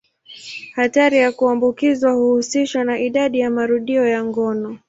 Hatari ya kuambukizwa huhusishwa na idadi ya marudio ya ngono.